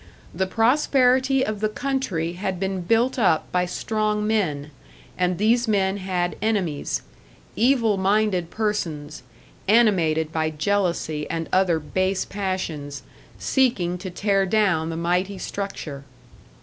The prosperity of the country had been built up by strong men; and these men had enemies evil minded persons, animated by jealousy and other base passions, seeking to tear down the mighty structure.